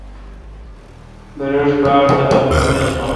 بریش باڑ خاق کھن ایج بان۔